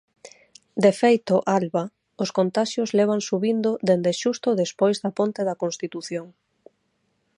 De feito, Alba, os contaxios levan subindo dende xusto despois da ponte da Constitución.